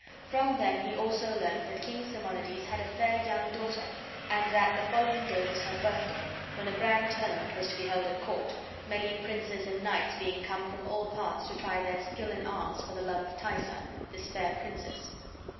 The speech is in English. From them he also learned that King Simonides had a fair young daughter, and that the following day was her birthday, when a grand tournament was to be held at court, many princes and knights being come from all parts to try their skill in arms for the love of Thaisa, this fair princess.